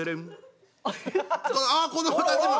ああ子どもたちも！